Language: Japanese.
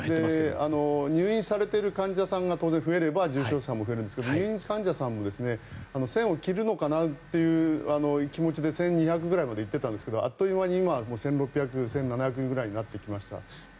入院されている患者さんが当然、増えれば重症者さんも増えるんですが入院患者さんも１０００を切るのかなという気持ちで１２００人ぐらいまで行ったんですがあっという間に１６００１７００ぐらいになってきました。